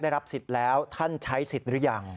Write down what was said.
ได้รับสิทธิ์แล้วท่านใช้สิทธิ์หรือยัง